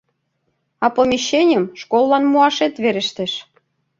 А помещенийым школлан муашет верештеш.